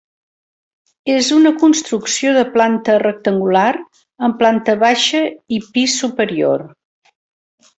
És una construcció de planta rectangular amb planta baixa i pis superior.